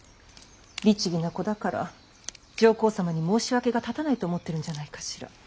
律儀な子だから上皇様に申し訳が立たないと思ってるんじゃないかしら。